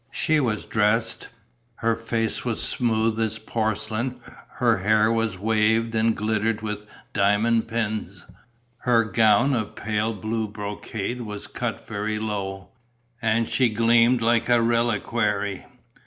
She was dressed. Her face was smooth as porcelain, her hair was waved and glittered with diamond pins. Her gown of pale blue brocade was cut very low; and she gleamed like a reliquary.